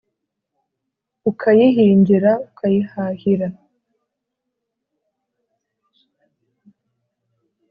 ukayihingira ukayihahira